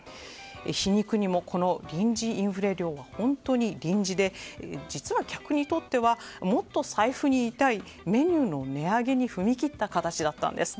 皮肉にも、臨時インフレ料は本当に臨時で実は客にとってはもっと財布に痛いメニューの値上げに踏み切った形だったんです。